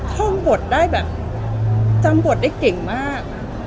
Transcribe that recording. ท่องบทได้แบบจำบทได้เก่งมาก